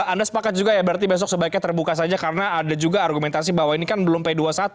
anda sepakat juga ya berarti besok sebaiknya terbuka saja karena ada juga argumentasi bahwa ini kan belum p dua puluh satu